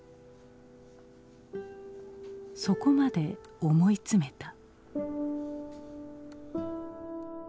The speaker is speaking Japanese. そこまで思い詰めた。